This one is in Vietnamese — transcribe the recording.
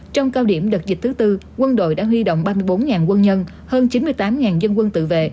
trong cao điểm đợt dịch thứ tư quân đội đã huy động ba mươi bốn quân nhân hơn chín mươi tám dân quân tự vệ